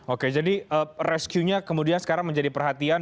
oke jadi rescuenya kemudian sekarang menjadi perhatian